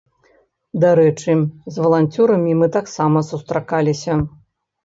Дарэчы, з валанцёрамі мы таксама сустракаліся.